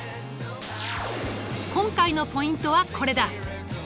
今回のポイントはこれだ。